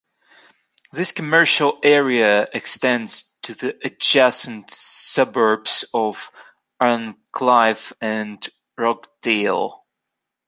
This commercial area extends to the adjacent suburbs of Arncliffe and Rockdale.